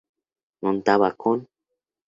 Contaba con